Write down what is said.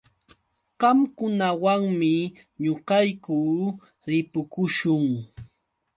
Qamkunawanmi ñuqayku ripukuśhun.